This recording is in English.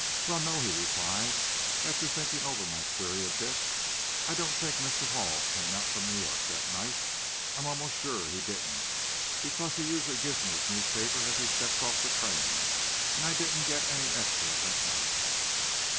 "Well, no," he replied, after thinking over my query a bit; "I don't think Mr. Hall came out from New York that night. I'm 'most sure he didn't, because he usually gives me his newspaper as he steps off the train, and I didn't get any `extra' that night."